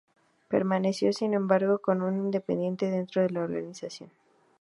Permaneció sin embargo como un independiente dentro de la organización.